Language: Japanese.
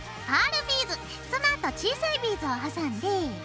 パールビーズそのあと小さいビーズを挟んで。